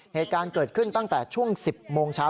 เหตุการณ์เกิดขึ้นตั้งแต่ช่วง๑๐โมงเช้า